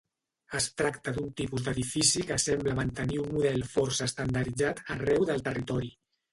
Es tracta d’un tipus d’edifici que sembla mantenir un model força estandarditzat arreu del territori.